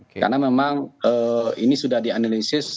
karena memang ini sudah dianalisis